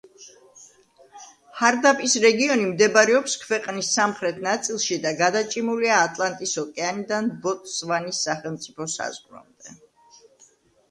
ჰარდაპის რეგიონი მდებარეობს ქვეყნის სამხრეთ ნაწილში და გადაჭიმულია ატლანტის ოკეანიდან ბოტსვანის სახელმწიფო საზღვრამდე.